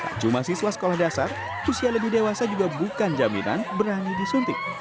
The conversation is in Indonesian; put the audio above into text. tak cuma siswa sekolah dasar usia lebih dewasa juga bukan jaminan berani disuntik